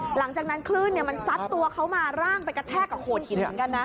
หลังจากนั้นคลื่นมันซัดตัวเขามาร่างไปกระแทกกับโขดหินเหมือนกันนะ